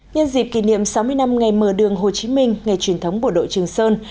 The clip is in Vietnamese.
nhân dịp kỷ niệm sáu mươi năm ngày mở đường hồ chí minh ngày truyền thống bộ đội trường sơn